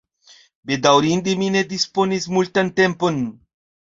Bedaŭrinde, mi ne disponis multan tempon.